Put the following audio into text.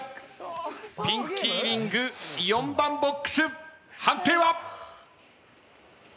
ピンキーリング４番ボックス判定は？